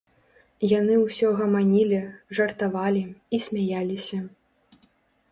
Яны ўсё гаманілі, жартавалі і смяяліся.